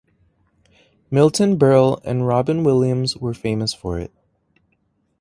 Milton Berle and Robin Williams were famous for it.